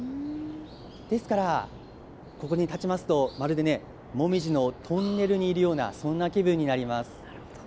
ですから、ここに立ちますと、まるでね、モミジのトンネルにいるような、そんな気分になります。